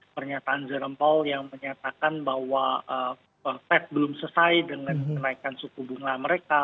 pernyataan jerome pole yang menyatakan bahwa fed belum selesai dengan kenaikan suku bunga mereka